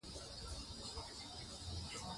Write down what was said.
آب وهوا د افغانستان د هیوادوالو لپاره ویاړ دی.